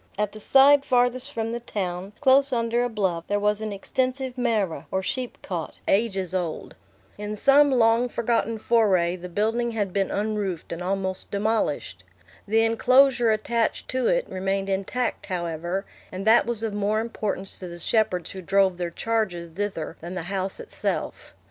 At the side farthest from the town, close under a bluff, there was an extensive marah, or sheepcot, ages old. In some long forgotten foray, the building had been unroofed and almost demolished. The enclosure attached to it remained intact, however, and that was of more importance to the shepherds who drove their charges thither than the house itself.